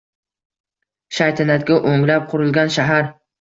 Shaytanatga o‘nglab qurilgan shahar.